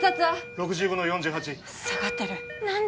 ６５の４８下がってる何で？